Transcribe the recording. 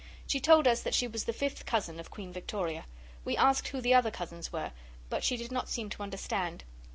She told us that she was the fifth cousin of Queen Victoria. We asked who the other cousins were, but she did not seem to understand.